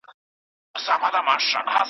منطقي تسلسل د لوستونکي پام ساتي.